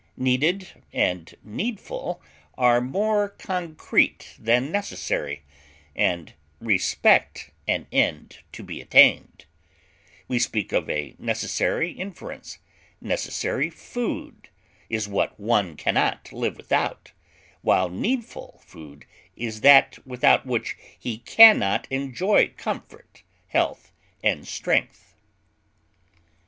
Needed and needful are more concrete than necessary, and respect an end to be attained; we speak of a necessary inference; necessary food is what one can not live without, while needful food is that without which he can not enjoy comfort, health, and strength.